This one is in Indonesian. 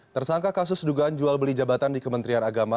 tersangka kasus dugaan jual beli jabatan di kementerian agama